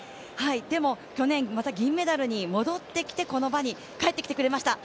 でも、去年また銀メダルに戻ってきて、この場に帰ってきてくれました。